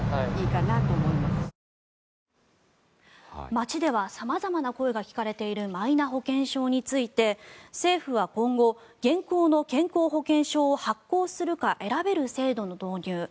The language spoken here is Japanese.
街では様々な声が聞かれているマイナ保険証について政府は今後現行の健康保険証を発行するか選べる制度の導入